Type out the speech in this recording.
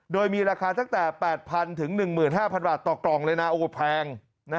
โดยมีราคาตั้งแต่๘๐๐ถึง๑๕๐๐บาทต่อกล่องเลยนะโอ้โหแพง